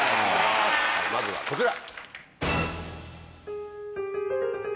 まずはこちら！